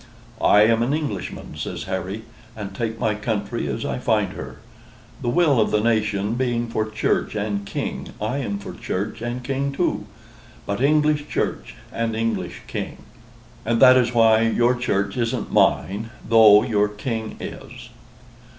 "I am an Englishman," says Harry, "and take my country as I find her. The will of the nation being for church and king, I am for church and king too; but English church and English king; and that is why your church isn't mine, though your king is."